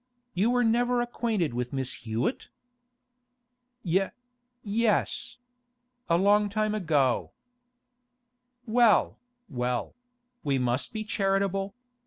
You were never acquainted with Miss Hewett?' 'Ye—yes. A long time ago.' 'Well, well; we must be charitable.